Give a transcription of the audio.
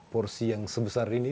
porsi yang sebesar ini